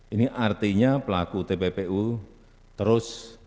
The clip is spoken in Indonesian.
ini artinya pelaku tppu terus